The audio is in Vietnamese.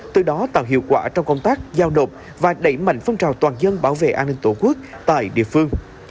từ đó tạo hiệu quả trong công tác giao nộp và đẩy mạnh phong trào toàn dân bảo vệ an ninh tổ quốc tại địa phương